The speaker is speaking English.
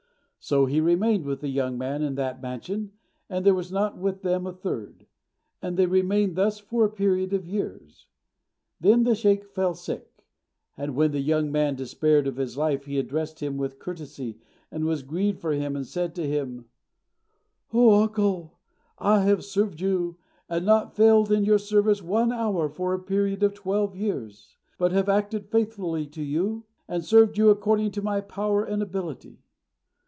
So he remained with the young man in that mansion, and there was not with them a third; and they remained thus for a period of years. Then the sheykh fell sick; and when the young man despaired of his life, he addressed him with courtesy, and was grieved for him, and said to him, "O uncle, I have served you, and not failed in your service one hour for a period of twelve years, but have acted faithfully to you, and served you according to my power and ability."